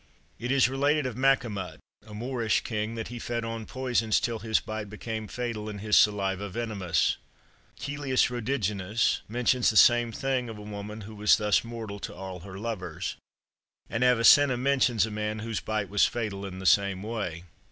It is related of Machamut, a Moorish king, that he fed on poisons till his bite became fatal and his saliva venomous. Cœlius Rhodiginus mentions the same thing of a woman who was thus mortal to all her lovers; and Avicenna mentions a man whose bite was fatal in the same way.